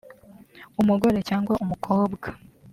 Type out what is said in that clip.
umugore cyangwa umukobwa